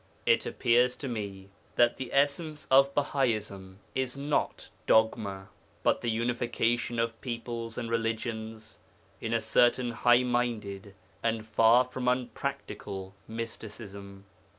It appears to me that the essence of Bahaism is not dogma, but the unification of peoples and religions in a certain high minded and far from unpractical mysticism.